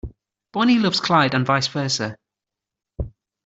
Bonnie loves Clyde and vice versa.